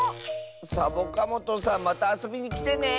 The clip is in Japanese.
サボカもとさんまたあそびにきてね！